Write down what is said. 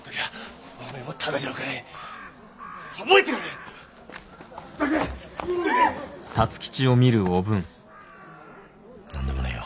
なんでもねえよ。